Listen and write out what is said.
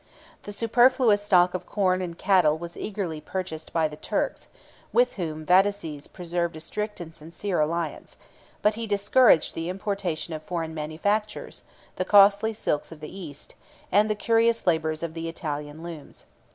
The superfluous stock of corn and cattle was eagerly purchased by the Turks, with whom Vataces preserved a strict and sincere alliance; but he discouraged the importation of foreign manufactures, the costly silks of the East, and the curious labors of the Italian looms.